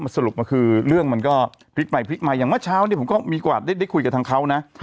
สรุปคือเรื่องมันก็พลิกใหม่อย่างเมื่อเช้านี้ผมก็มีกว่าได้คุยกับทางเขานะ